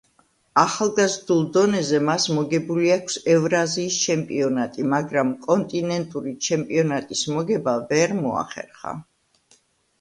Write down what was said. ახალგაზრდულ დონეზე მას მოგებული აქვს ევრაზიის ჩემპიონატი, მაგრამ კონტინენტური ჩემპიონატის მოგება ვერ მოახერხა.